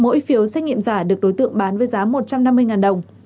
mỗi phiếu xét nghiệm giả được đối tượng bán với giá một trăm năm mươi đồng